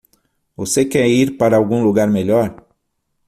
Você quer ir para um lugar melhor?